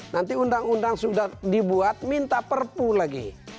nanti undang undang sudah dibuat minta perpu lagi